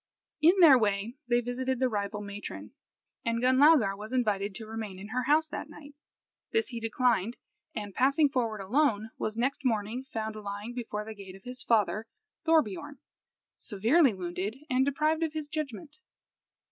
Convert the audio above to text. In their way they visited the rival matron, and Gunlaugar was invited to remain in her house that night. This he declined, and, passing forward alone, was next morning found lying before the gate of his father Thorbiorn, severely wounded and deprived of his judgment.